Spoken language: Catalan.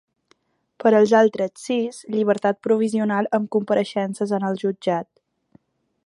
Per als altres sis, llibertat provisional amb compareixences en el jutjat.